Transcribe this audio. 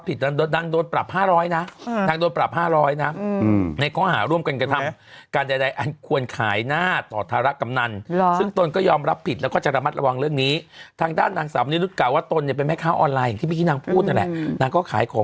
ขายแตงโมอยู่ใส่ชุดขายแตงโมใส่ชุดขายแตงโมอยู่ให้เป็นผู้ประธัย